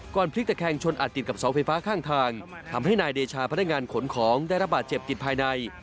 พลิกตะแคงชนอาจติดกับเสาไฟฟ้าข้างทางทำให้นายเดชาพนักงานขนของได้รับบาดเจ็บติดภายใน